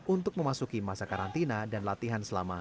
untuk memasuki masa karantina dan latihan selama dua puluh hari